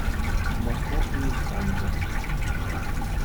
Ma fu un istante.